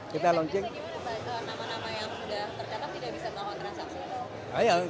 kalau sudah tercatat tidak bisa tawar transaksi